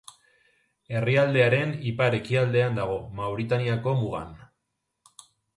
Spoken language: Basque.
Herrialdearen ipar-ekialdean dago, Mauritaniako mugan.